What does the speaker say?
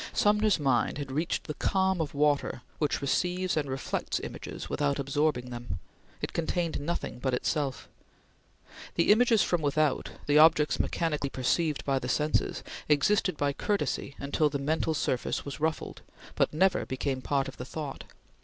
Sumner's mind had reached the calm of water which receives and reflects images without absorbing them; it contained nothing but itself. The images from without, the objects mechanically perceived by the senses, existed by courtesy until the mental surface was ruffled, but never became part of the thought.